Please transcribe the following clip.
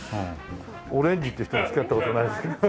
オレンジって人もつき合った事ないですけど。